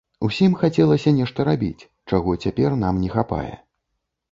Усім хацелася нешта рабіць, чаго цяпер нам не хапае.